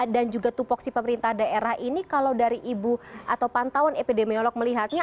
dan juga tupok si pemerintah daerah ini kalau dari ibu atau pantauan epidemiolog melihatnya